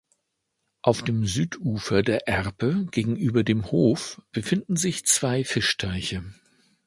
Auf dem Südufer der Erpe gegenüber dem Hof befinden sich zwei Fischteiche.